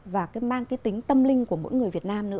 và cái mang cái tính tâm linh của người việt nam